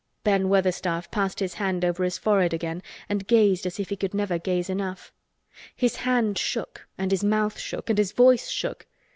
Ben Weatherstaff passed his hand over his forehead again and gazed as if he could never gaze enough. His hand shook and his mouth shook and his voice shook.